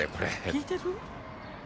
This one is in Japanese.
聞いてる？